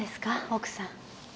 奥さん。